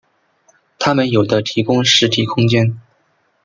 它们有的提供实体空间。